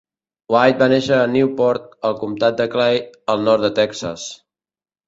White va néixer a Newport al comtat de Clay al nord de Texas.